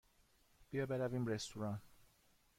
بیا برویم رستوران.